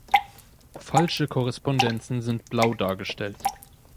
Falsche Korrespondenzen sind blau dargestellt.